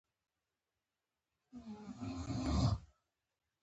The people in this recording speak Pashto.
د اسلامی دولت یو شمیر نوري دندي هم لري.